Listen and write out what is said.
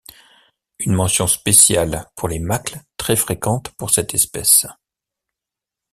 Une mention spéciale pour les macles très fréquentes pour cette espèce.